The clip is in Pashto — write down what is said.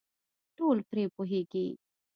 ټول پرې پوهېږي .